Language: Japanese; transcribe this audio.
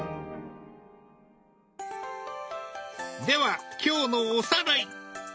では今日のおさらい！